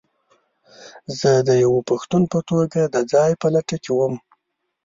زه د یوه پښتون په توګه د ځاى په لټه کې وم.